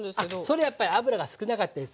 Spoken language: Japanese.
それやっぱり油が少なかったりする時。